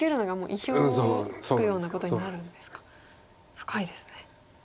深いですね。